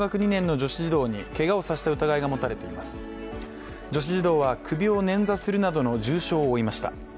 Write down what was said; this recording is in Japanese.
女子児童は、首を捻挫するなどの重傷を負いました。